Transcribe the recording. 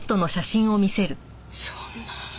そんな。